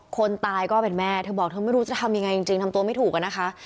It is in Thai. คนตายก็เป็นแม่เธอบอกเธอไม่รู้จะทำยังไงจริงทำตัวไม่ถูกอะนะคะ